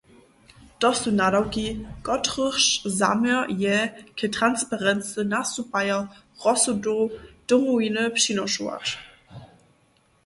To su nadawki, kotrychž zaměr je, k transparency nastupajo rozsudow Domowiny přinošować.